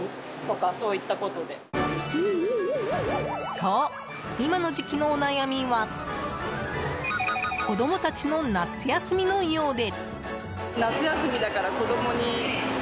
そう、今の時期のお悩みは子供たちの夏休みのようで。